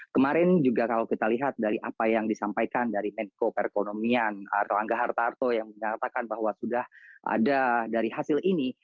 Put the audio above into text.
kemarin juga kalau kita lihat dari apa yang disampaikan dari menko perconomian orang langga harta harta yang mengatakan bahwa sudah ada dari hasil ini